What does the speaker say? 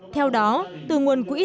theo đó từ nguồn quỹ